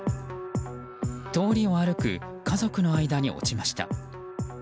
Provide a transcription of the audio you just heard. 通りを歩く家族の間に落ちました。